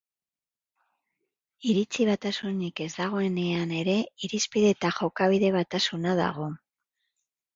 Iritzi batasunik ez dagoenean ere irizpide eta jokabide batasuna dago.